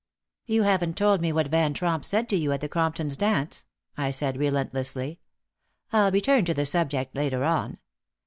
"You haven't told me what Van Tromp said to you at the Cromptons' dance," I said, relentlessly. "I'll return to the subject later on.